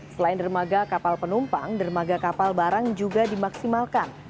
selain dermaga kapal penumpang dermaga kapal barang juga dimaksimalkan